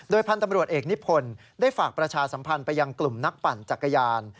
พันธุ์ตำรวจเอกนิพนธ์ได้ฝากประชาสัมพันธ์ไปยังกลุ่มนักปั่นจักรยาน